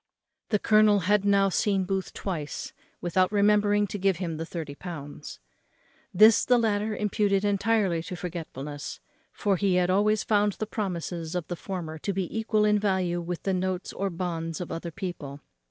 The colonel had now seen Booth twice without remembering to give him the thirty pounds. This the latter imputed intirely to forgetfulness; for he had always found the promises of the former to be equal in value with the notes or bonds of other people.